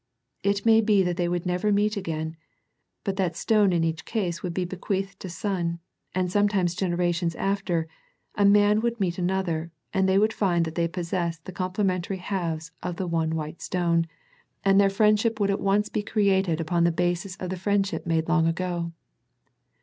It may be that they would never meet again, but that stone in each case would be bequeathed to son, and sometimes generations after, a man would meet another, and they would find that they possessed the comple mentary halves of one white stone, and their io6 A First Century Message friendship would be at once created upon the basis of the friendship made long ago.